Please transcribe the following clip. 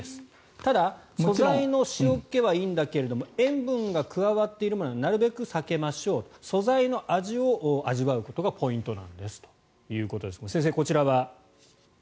ただ、素材の塩気はいいんだけど塩分が加わっているものはなるべく避けましょう素材の味を味わうことがポイントなんですということですが先生、こちらは？